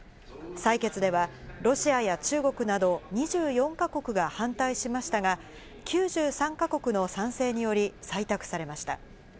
採決ではロシアや中国など２４か国が反対しましたが、９３か国の賛成により採択されました。